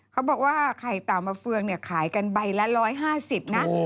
เขาบอกว่าไข่เต่ามาเฟืองเนี่ยขายกันใบละ๑๕๐นะ